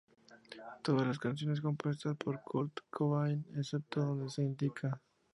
Todas las canciones compuestas por Kurt Cobain, excepto donde se indica.